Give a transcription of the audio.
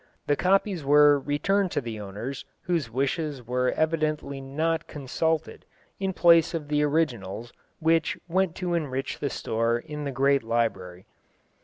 The copies were returned to the owners, whose wishes were evidently not consulted, in place of the originals, which went to enrich the store in the great library.